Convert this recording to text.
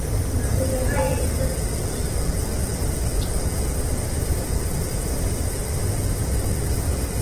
kuna viumbe hai aina tatu vikiishi kwa pamoja